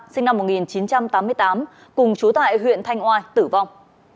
sinh năm một nghìn chín trăm tám mươi tám cùng chú tại huyện thanh oai tử vong